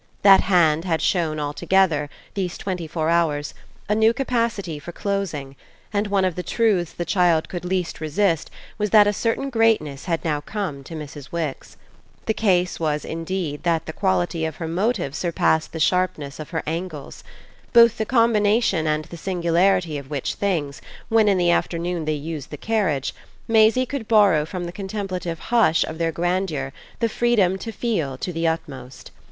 That hand had shown altogether, these twenty four hours, a new capacity for closing, and one of the truths the child could least resist was that a certain greatness had now come to Mrs. Wix. The case was indeed that the quality of her motive surpassed the sharpness of her angles; both the combination and the singularity of which things, when in the afternoon they used the carriage, Maisie could borrow from the contemplative hush of their grandeur the freedom to feel to the utmost.